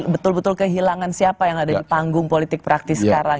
betul betul kehilangan siapa yang ada di panggung politik praktis sekarang